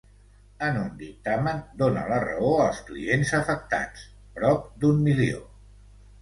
En un dictamen, dóna la raó als clients afectats, prop d’un milió.